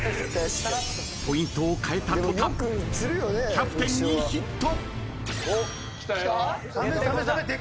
［ポイントを変えた途端キャプテンにヒット］